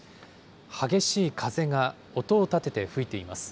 激しい風が音を立てて吹いています。